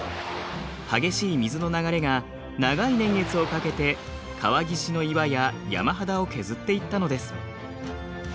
激しい水の流れが長い年月をかけて川岸の岩や山肌を削っていったのです。